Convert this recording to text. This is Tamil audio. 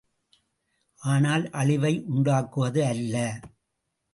ஆனால் அழிவை உண்டாக்குவது அல்ல.